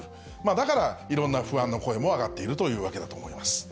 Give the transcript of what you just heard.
だからいろんな不安の声も上がっているというわけだと思います。